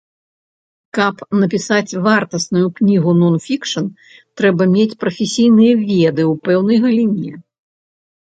Каб напісаць вартасную кнігу нон-фікшн, трэба мець прафесійныя веды ў пэўнай галіне.